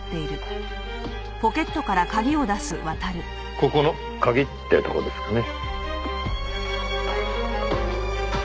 ここの鍵ってとこですかね。